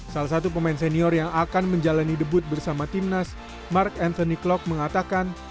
salah satu pemain senior yang akan menjalani debut bersama timnas mark anthony clock mengatakan